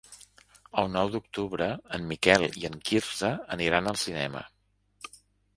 El nou d'octubre en Miquel i en Quirze aniran al cinema.